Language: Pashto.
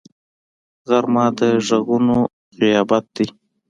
غرمه د غږونو غیابت دی